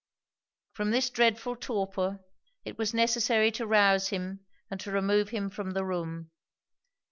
From this dreadful torpor it was necessary to rouse him, and to remove him from the room.